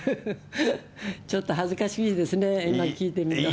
ちょっと恥ずかしいですね、今聞いてみると。